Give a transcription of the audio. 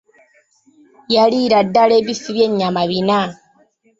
Yaliira ddala ebifi by'enyama bina!